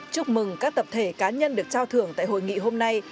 chúc mừng các tập thể cá nhân được trao thưởng tại hội nghị hôm nay